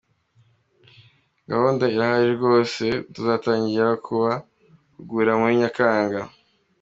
Ati “Gahunda irahari rwose, tuzatangira kubahugura muri Nyakanga.